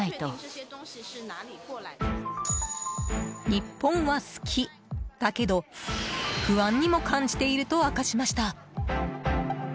日本は好きだけど、不安にも感じていると明かしました。